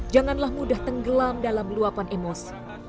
janganlah mudah tenggelam dalam luapan emosi